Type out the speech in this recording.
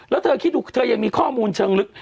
แล้วเธอคิดดูคือเธอยังความความมูลเชิงลึก